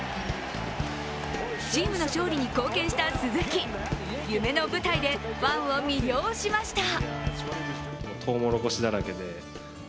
チームの勝利に貢献した鈴木夢の舞台でファンを魅了しました。